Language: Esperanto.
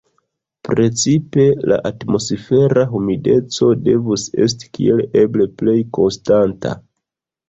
Precipe la atmosfera humideco devus esti kiel eble plej konstanta.